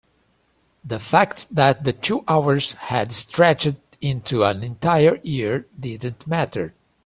the fact that the two hours had stretched into an entire year didn't matter.